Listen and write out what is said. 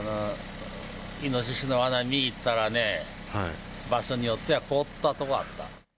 イノシシのわなを見にいったらね、場所によっては凍ったとこあった。